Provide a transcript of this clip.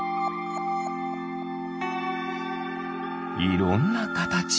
いろんなかたち。